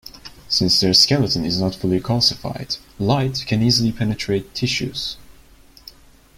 Since their skeleton is not fully calcified, light can easily penetrate tissues.